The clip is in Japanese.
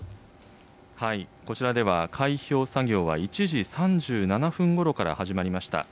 こちらでは開票作業は、１時３７分ごろから始まりました。